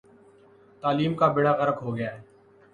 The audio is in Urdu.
تعلیم کا بیڑہ غرق ہو گیا ہے۔